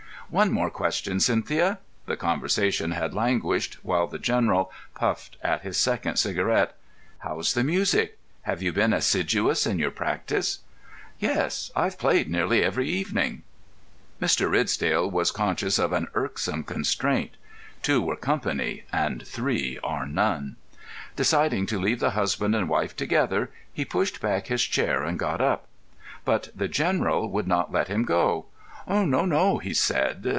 "One more question, Cynthia." The conversation had languished while the General puffed at his second cigarette. "How's the music? Have you been assiduous in your practice?" "Yes; I've played nearly every evening." Mr. Ridsdale was conscious of an irksome constraint. Two are company and three are none. Deciding to leave the husband and wife together, he pushed back his chair and got up. But the General would not let him go. "No, no," he said.